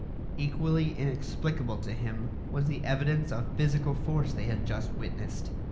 Equally inexplicable to him was the evidence of physical force they had just witnessed.